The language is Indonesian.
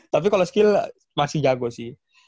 tapi kalau skill masih jago sih